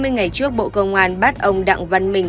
hai mươi ngày trước bộ công an bắt ông đặng văn minh